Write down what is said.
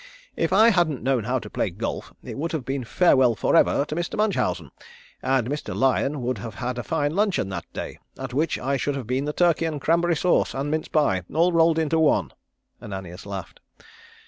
If I hadn't known how to play golf it would have been farewell forever to Mr. Munchausen, and Mr. Lion would have had a fine luncheon that day, at which I should have been the turkey and cranberry sauce and mince pie all rolled into one." Ananias laughed.